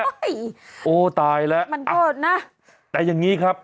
โอ้ยมันโบสถ์นะโอ้ตายแล้วแต่อย่างนี้ครับ